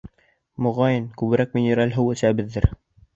Моғайын, күберәк минераль һыу эсәбеҙҙер.